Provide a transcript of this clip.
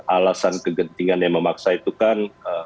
alasan kegentingan yang memaksa itu kan